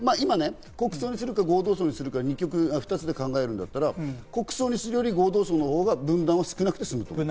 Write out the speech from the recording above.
国葬にするか合同葬にするか、二極で考えるなら、国葬にするより合同葬のほうが分断は少なくなると思う。